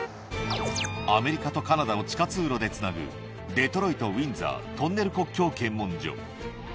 アメリカとカナダを地下通路でつなぐ、デトロイト・ウィンザー・トンネル国境検問所。